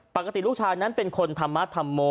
ปกติลูกชายนั้นเป็นคนธรรมธรรโม